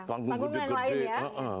panggung yang lain ya